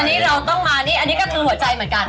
อันนี้เราต้องมานี่อันนี้ก็คือหัวใจเหมือนกัน